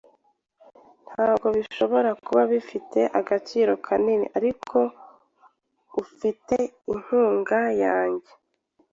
Ntabwo bishobora kuba bifite agaciro kanini, ariko ufite inkunga yanjye